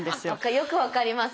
よく分かります。